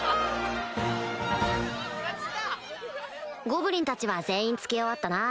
ゴブリンたちは全員付け終わったな